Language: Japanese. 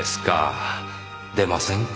出ませんか。